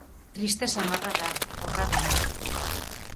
Triste samarra da, horra dena.